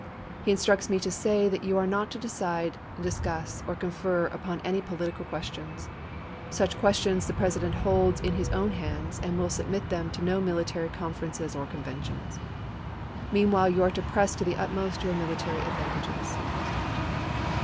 He instructs me to say that you are not to decide, discuss, or confer upon any political questions. Such questions the President holds in his own hands, and will submit them to no military conferences or conventions. Meanwhile you are to press to the utmost your military advantages.